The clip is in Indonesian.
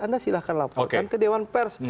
anda silahkan laporkan ke dewan pers